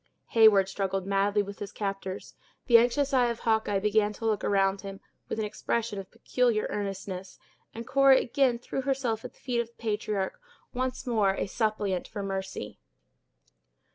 Heyward struggled madly with his captors; the anxious eye of Hawkeye began to look around him, with an expression of peculiar earnestness; and Cora again threw herself at the feet of the patriarch, once more a suppliant for mercy.